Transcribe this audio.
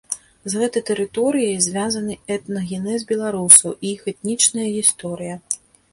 З гэтай тэрыторыяй звязаны этнагенез беларусаў і іх этнічная гісторыя.